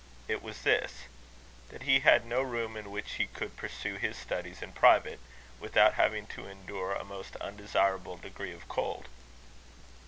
It was this; that he had no room in which he could pursue his studies in private, without having to endure a most undesirable degree of cold.